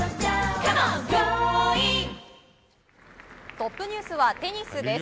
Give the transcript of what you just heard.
トップニュースはテニスです。